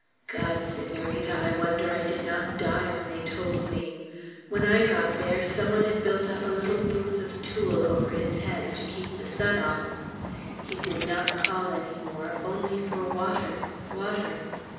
God! Senorita, I wonder I did not die when they told me! When I got there, some one had built up a little booth of tule over his head, to keep the sun off. He did not call any more, only for water, water.